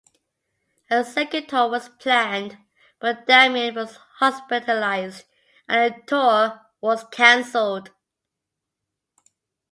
A second tour was planned, but Damian was hospitalized and the tour was cancelled.